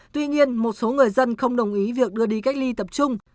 tuy nhiên một số người dân không đồng ý việc đưa đi cách ly tập trung